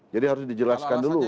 jadi harus dijelaskan dulu